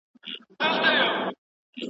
درخو د ژوند رباب به مات کړې زما